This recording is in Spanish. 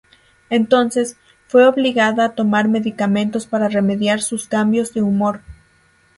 Entonces, fue obligada a tomar medicamentos para remediar sus cambios de humor.